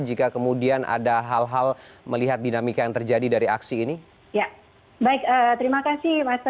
jika kemudian ada hal hal melihat dinamika yang terjadi dari akses